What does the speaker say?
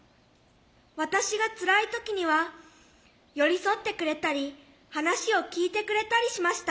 私がつらい時には寄り添ってくれたり話を聞いてくれたりしました。